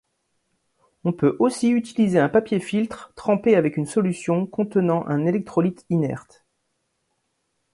On peut aussi utiliser un papier-filtre, trempé avec une solution contenant un électrolyte inerte.